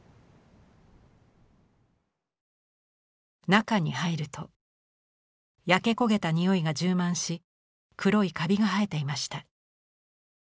中に入ると焼け焦げたにおいが充満し黒いカビが生えていました。